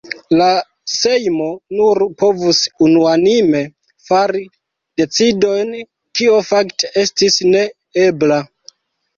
La Sejmo nur povus unuanime fari decidojn, kio fakte estis ne ebla.